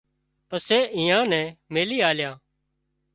پسي ايئان نين ميلِي آليا